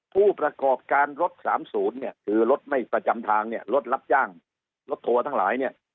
ผู้ประกอบการรถ๓๐คือรถไม่ประจำทางรถรับจ้างรถถัวทั้งหลาย